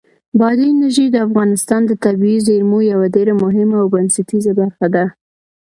بادي انرژي د افغانستان د طبیعي زیرمو یوه ډېره مهمه او بنسټیزه برخه ده.